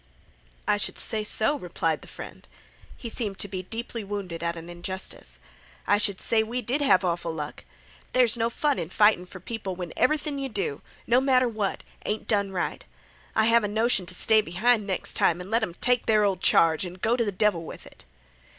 "I should say so," replied the friend. He seemed to be deeply wounded at an injustice. "I should say we did have awful luck! There's no fun in fightin' fer people when everything yeh do—no matter what—ain't done right. I have a notion t' stay behind next time an' let 'em take their ol' charge an' go t' th' devil with it."